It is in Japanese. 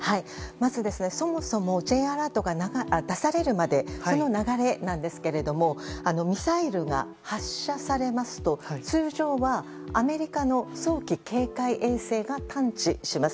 まず、そもそもＪアラートが出されるまでその流れなんですけれどもミサイルが発射されますと通常はアメリカの早期警戒衛星が探知します。